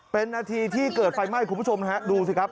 เป็นนาทีที่เกิดไฟไหม้คุณผู้ชมฮะดูสิครับ